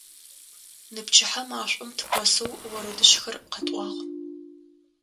Ныпчыхьэ машӀом тыпэсэу орэдыжъхэр къэтӀуагъ.